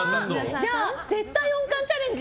じゃあ、絶対音感チャレンジ。